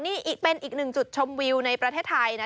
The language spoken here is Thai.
นี่เป็นอีกหนึ่งจุดชมวิวในประเทศไทยนะ